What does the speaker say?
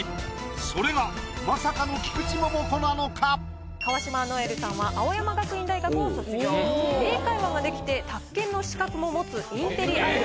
それがまさかの菊池桃子なのか⁉川島如恵留さんは青山学院大学を卒業英会話ができて宅建の資格も持つインテリです。